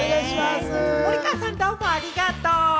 森川さん、どうもありがとう！